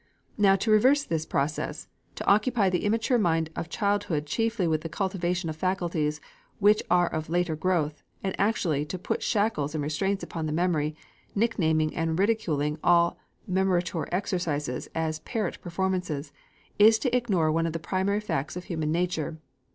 Now to reverse this process, to occupy the immature mind of childhood chiefly with the cultivation of faculties which are of later growth, and actually to put shackles and restraints upon the memory, nicknaming and ridiculing all memoriter exercises as parrot performances, is to ignore one of the primary facts of human nature.